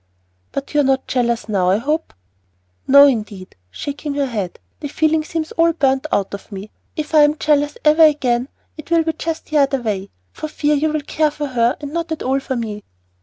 "But you're not jealous now, I hope?" "No, indeed," shaking her head. "The feeling seems all burnt out of me. If I am ever jealous again it will be just the other way, for fear you will care for her and not at all for me."